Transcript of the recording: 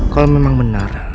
kalau memang benar